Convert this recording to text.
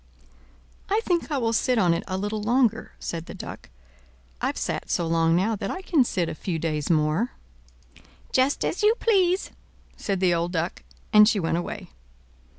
"I think I will sit on it a little longer," said the Duck. "I've sat so long now that I can sit a few days more." "Just as you please," said the old Duck; and she went away.